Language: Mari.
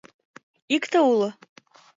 Икте уло!